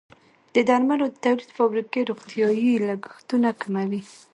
د درملو د تولید فابریکې روغتیايي لګښتونه کموي.